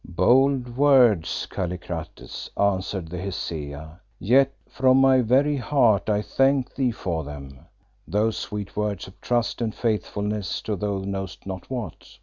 "Bold words, Kallikrates," answered the Hesea; "yet from my very heart I thank thee for them: those sweet words of trust and faithfulness to thou knowest not what.